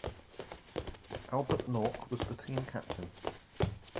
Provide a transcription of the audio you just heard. Albert Nork was the team captain.